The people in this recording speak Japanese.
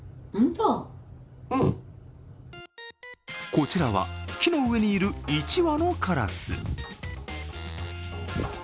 こちらは、木の上にいる１羽のカラス。